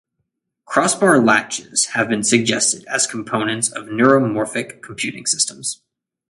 Crossbar latches have been suggested as components of neuromorphic computing systems.